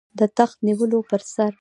د تخت نیولو پر سر.